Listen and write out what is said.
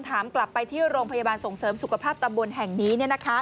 ถามกลับไปที่โรงพยาบาลส่งเสริมสุขภาพตำบลแห่งนี้